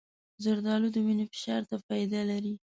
زردالو د وینې فشار ته فایده لري.